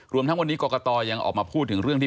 รวมทั้งวันนี้กรกตยังออกมาพูดถึงเรื่องที่